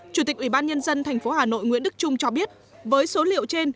chủ tịch ubnd tp hà nội nguyễn đức trung cho biết với số liệu trên